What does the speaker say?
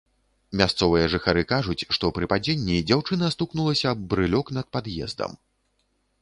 Мясцовыя жыхары кажуць, што пры падзенні дзяўчына стукнулася аб брылёк над пад'ездам.